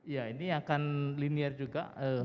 ya ini akan linear juga